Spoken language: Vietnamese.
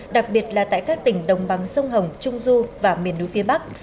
đặc biệt là tại các tỉnh đồng bằng sông hồng trung du và miền núi phía bắc